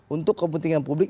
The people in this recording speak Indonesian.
untuk kepentingan publik